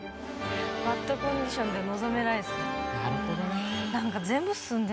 バッドコンディションで臨めないですね。